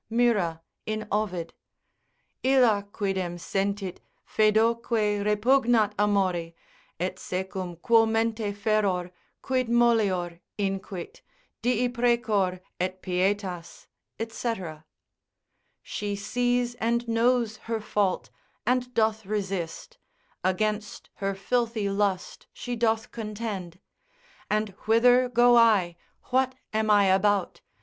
Myrrha in . Ovid Illa quidem sentit, foedoque repugnat amori, Et secum quo mente feror, quid molior, inquit, Dii precor, et pietas, &c. She sees and knows her fault, and doth resist, Against her filthy lust she doth contend. And whither go I, what am I about?